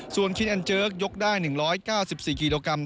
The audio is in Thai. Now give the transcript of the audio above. ส่วนคินแอนเจิกยกได้๑๙๔กิโลกรัม